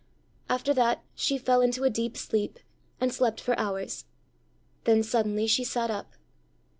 After that she fell into a deep sleep, and slept for hours. Then suddenly she sat up.